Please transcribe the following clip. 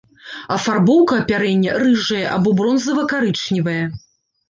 Афарбоўка апярэння рыжая або бронзава-карычневая.